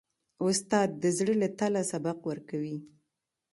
استاد د زړه له تله سبق ورکوي.